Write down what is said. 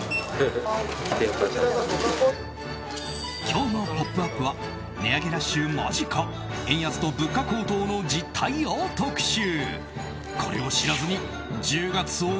今日の「ポップＵＰ！」は値上げラッシュ間近円安と物価高騰の実態を特集。